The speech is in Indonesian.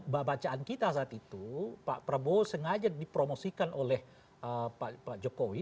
bacaan kita saat itu pak prabowo sengaja dipromosikan oleh pak jokowi